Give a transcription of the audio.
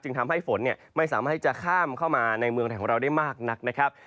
จึงทำให้ฝนไม่สามารถให้จะข้ามเข้ามาในเมืองแถวเราได้มากนัก